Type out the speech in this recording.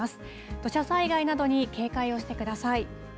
土砂災害などに警戒をしてください。